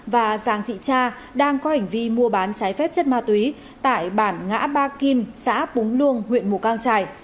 và giàng thị cha đang có hành vi mua bán trái phép chất ma túy tại bản ngã ba kim xã búng luông huyện mù căng trải